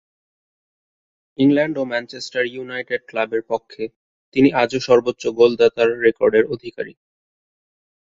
England ও Manchester United ক্লাবের পক্ষে তিনি আজও সর্বোচ্চ গোলদাতার রেকর্ডের অধিকারী।